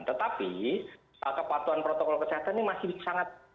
tetapi kepatuhan protokol kesehatan ini masih sangat